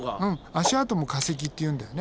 足跡も化石っていうんだよね。